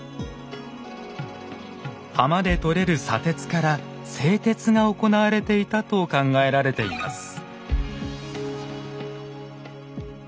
浜でとれる砂鉄から製鉄が行われていたと考えられています。